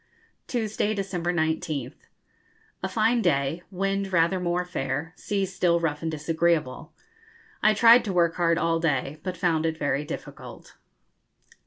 Tuesday, December 19th. A fine day wind rather more fair sea still rough and disagreeable. I tried to work hard all day, but found it very difficult.